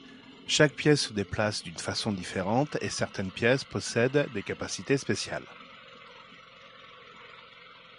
Chaque pièce se déplace d'une façon différente, et certaines pièces possèdent des capacités spéciales.